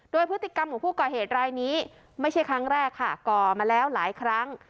โดยพฤติกรรมของผู้ก่อเหตุรายนี้ไม่ใช่ครั้งแรกค่ะก่อมาแล้วหลายครั้ง